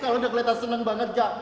kalo udah keliatan seneng banget gak